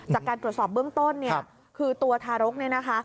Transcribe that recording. จากการตรวจสอบเบื้องต้นคือตัวทารก